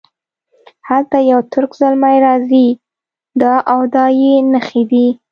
هلته یو ترک زلمی راځي دا او دا یې نښې دي.